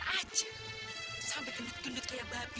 sampai terlalu terlalu terlalu seperti babi